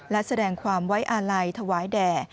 และแสดงความไว้อาลัยถวายแด่